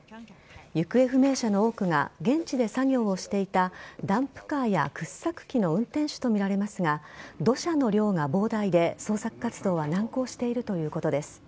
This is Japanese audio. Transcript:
行方不明者の多くが現地で作業をしていたダンプカーや掘削機の運転手とみられますが土砂の量が膨大で捜索活動が難航しているということです。